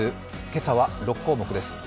今朝は６項目です。